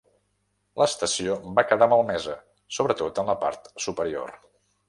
L'estació va quedar malmesa, sobretot en la part superior.